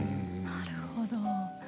なるほど。